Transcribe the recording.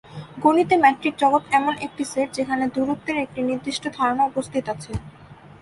গণিতে মেট্রিক জগৎ এমন একটি সেট যেখানে দূরত্বের একটি নির্দিষ্ট ধারণা উপস্থিত আছে।